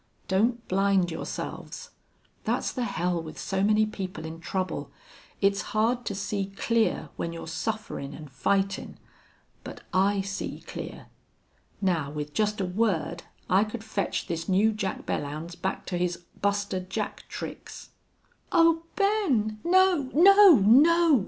Don't blind yourselves. That's the hell with so many people in trouble. It's hard to see clear when you're sufferin' and fightin'. But I see clear.... Now with just a word I could fetch this new Jack Belllounds back to his Buster Jack tricks!" "Oh, Ben! No! No! No!"